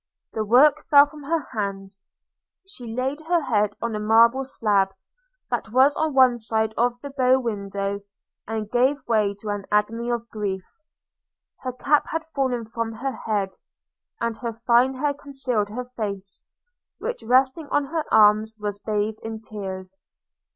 The work fell from her hands – she laid her head on a marble slab, that was on one side of the bow window, and gave way to an agony of grief. – Her cap had fallen from her head, and her fine hair concealed her face, which resting on her arms was bathed in tears.